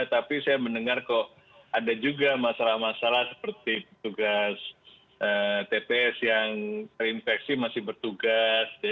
tapi saya mendengar kok ada juga masalah masalah seperti tugas tps yang terinfeksi masih bertugas